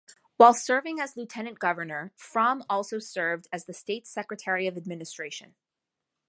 While serving as lieutenant governor, Frahm also served as the state's Secretary of Administration.